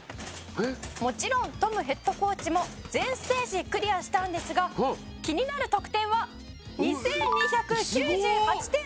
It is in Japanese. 「もちろんトムヘッドコーチも全ステージクリアしたんですが気になる得点は２２９８点！」